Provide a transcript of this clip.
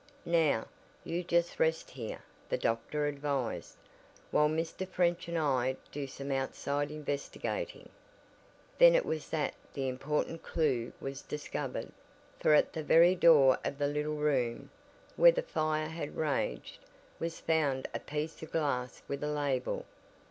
"Now, you just rest here," the doctor advised, "while Mr. French and I do some outside investigating." Then it was that the important clew was discovered, for at the very door of the little room, where the fire had raged, was found a piece of glass with a label!